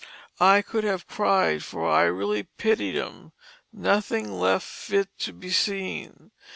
"I could have cried, for I really pitied em nothing left fit to be seen.